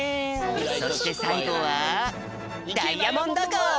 そしてさいごはダイヤモンド号！